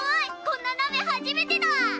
こんな鍋はじめてだ！